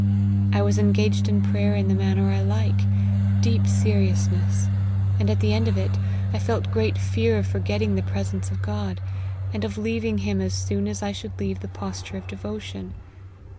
I was engaged in prayer in the manner I like, deep seriousness ; at the end of it, I felt great fear of forgetting the presence of God, and of leaving him as soon as I should leave the posture of devotion.